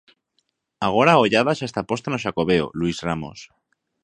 Agora a ollada xa está posta no Xacobeo, Luís Ramos.